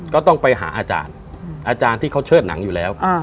ก็ต้องไปหาอาจารย์อาจารย์ที่เขาเชิดหนังอยู่แล้ว